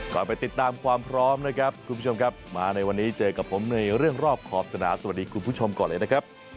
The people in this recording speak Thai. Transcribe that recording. ไปติดตามความพร้อมนะครับคุณผู้ชมครับมาในวันนี้เจอกับผมในเรื่องรอบขอบสนามสวัสดีคุณผู้ชมก่อนเลยนะครับ